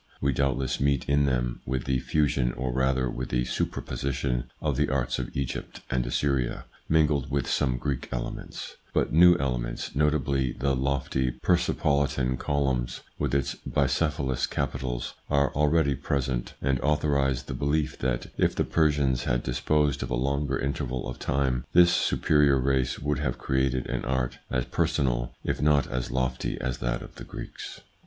We doubtless meet in them with the fusion, or rather with the superposition, of the arts of Egypt and Assyria, mingled with some Greek elements ; but new elements, notably the lofty Persepolitan column with its bicephalous capitals, are already present, and authorise the belief that if the Persians had disposed of a longer interval of time, this superior race would have created an art as personal, if not as lofty, as that of the Greeks.